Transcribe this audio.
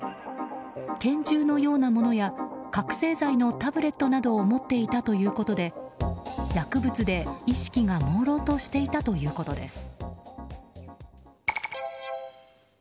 拳銃のようなものや覚醒剤のタブレットなどを持っていたということで薬物で意識がもうろうとしていたということです。